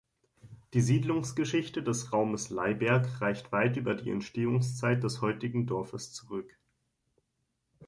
Die Siedlungsgeschichte des Raumes Leiberg reicht weit über die Entstehungszeit des heutigen Dorfes zurück.